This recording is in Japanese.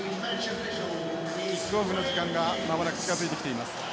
キックオフの時間がまもなく近づいてきています。